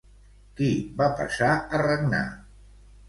Qui va passar a regnar?